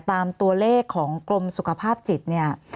ตามตัวเลขของกรมสุขภาพจิตเนี่ย